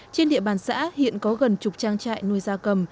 trên địa bàn xã hiện có gần chục trang trại nuôi gia cầm